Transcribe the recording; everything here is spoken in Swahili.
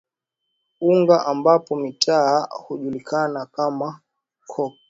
Unga ambapo mitaani hujulikana kama coke